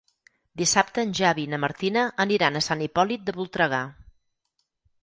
Dissabte en Xavi i na Martina aniran a Sant Hipòlit de Voltregà.